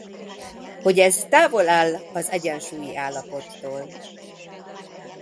Hogy ez távol áll az egyensúlyi állapottól.